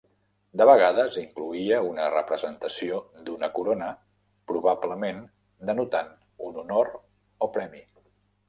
De vegades incloïa una representació d'una corona, probablement denotant un honor o Premi.